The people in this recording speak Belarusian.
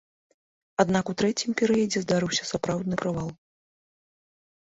Аднак у трэцім перыядзе здарыўся сапраўдны правал.